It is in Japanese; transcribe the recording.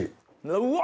うわ！